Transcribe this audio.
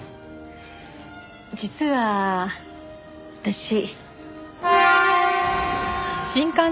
実は私。